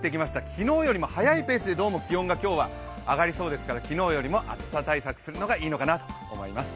昨日よりも早いペースで気温が上がりそうですから昨日よりも暑さ対策するのがいいのかなと思います。